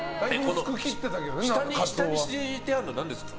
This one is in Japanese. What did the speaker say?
下に敷いてあるのは何ですか？